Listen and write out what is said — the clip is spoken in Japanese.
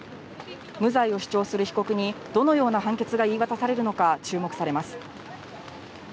無罪を主張する被告にどのような判決が言い渡されるのか注目されます。